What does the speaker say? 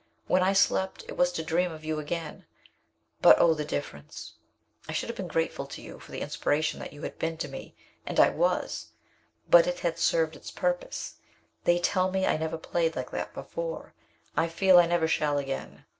When I slept, it was to dream of you again but, oh, the difference! "I should have been grateful to you for the inspiration that you had been to me and I was! But it had served its purpose. They tell me I never played like that before. I feel I never shall again.